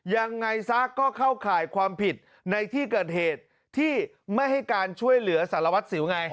ยังไงซะก็เข้าข่ายความผิดในที่เกิดเหตุที่ไม่ให้การช่วยเหลือสารวัตรสิวไง